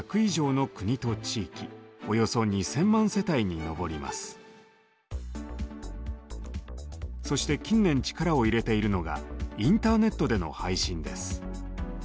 現在は視聴可能な範囲はそして近年力を入れているのがインターネットでの配信です。